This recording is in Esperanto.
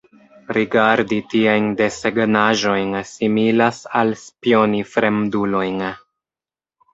Rigardi tiajn desegnaĵojn similas al spioni fremdulojn.